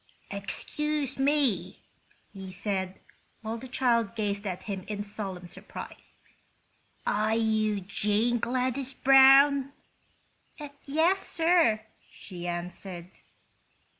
"Excuse me," he said, while the child gazed at him in solemn surprise. "Are you Jane Gladys Brown?" "Yes, sir," she answered.